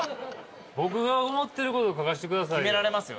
僕が思ってること書かせてください。